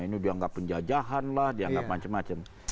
ini dianggap penjajahan lah dianggap macam macam